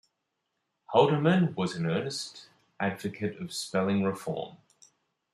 Haldeman was an earnest advocate of spelling reform.